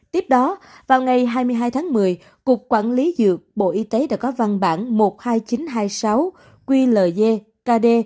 tiếp đó vào ngày hai mươi hai tháng một mươi cục quản lý dược bộ y tế đã có văn bản một mươi hai nghìn chín trăm hai mươi sáu qld